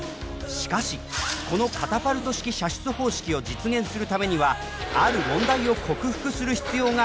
しかしこのカタパルト式射出方式を実現するためにはある問題を克服する必要がありました。